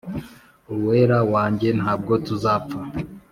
uwera wanjye’ ntabwo tuzapfa